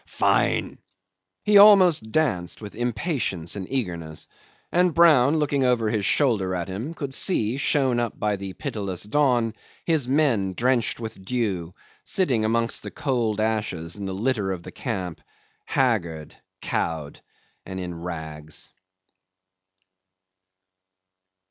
Fine ..." He almost danced with impatience and eagerness; and Brown, looking over his shoulder at him, could see, shown up by the pitiless dawn, his men drenched with dew, sitting amongst the cold ashes and the litter of the camp, haggard, cowed, and in rags.